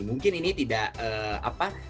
mungkin ini tidak apa